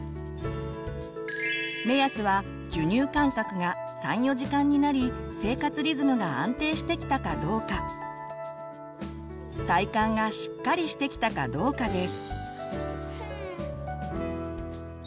目安は授乳間隔が３４時間になり生活リズムが安定してきたかどうか体幹がしっかりしてきたかどうかです。